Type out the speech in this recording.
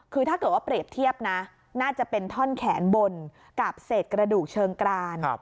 คือถ้าเกิดว่าเปรียบเทียบนะน่าจะเป็นท่อนแขนบนกับเศษกระดูกเชิงกราน